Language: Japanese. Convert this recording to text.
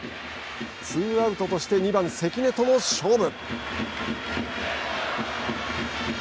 ツーアウトとして２番関根との勝負。